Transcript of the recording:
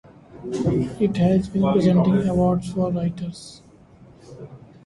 It has been presenting awards for writers.